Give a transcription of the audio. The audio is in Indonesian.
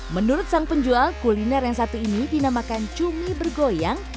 menurut sang penjual kuliner yang satu ini dinamakan cumi bergoyang